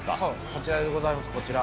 こちらでございます、こちら。